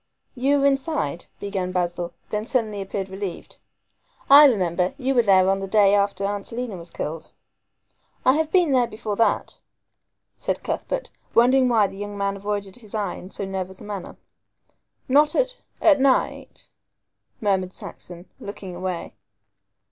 "You were inside," began Basil, then suddenly appeared relieved. "I remember; you were there on the day after Aunt Selina was killed." "I have been there before that," said Cuthbert, wondering why the young man avoided his eye in so nervous a manner. "Not at at night?" murmured Saxon, looking away.